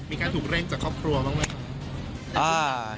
มีการถูกเร่งจากครอบครัวบ้างไหมครับ